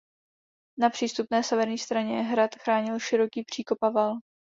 Na přístupné severní straně hrad chránil široký příkop a val.